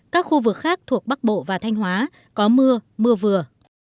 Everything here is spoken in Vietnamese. các khu vực khác thuộc bắc bộ và thanh hóa có mưa mưa vừa